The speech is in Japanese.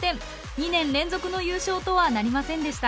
２年連続の優勝とはなりませんでした。